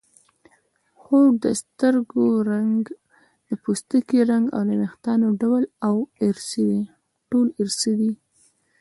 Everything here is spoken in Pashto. هو د سترګو رنګ د پوستکي رنګ او د وېښتانو ډول ټول ارثي دي